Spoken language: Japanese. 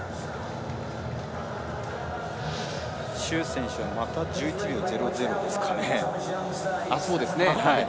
朱選手はまた１１秒００ですかね。